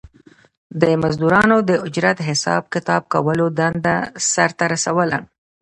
د مزدورانو د اجرت حساب کتاب کولو دنده سر ته رسوله